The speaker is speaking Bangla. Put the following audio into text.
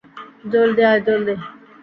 জলদি আয়, জলদি।